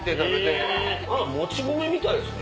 もち米みたいですね。